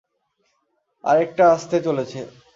আরেকটা আসতে চলেছে।